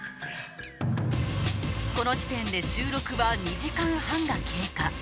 この時点で収録は２時間半が経過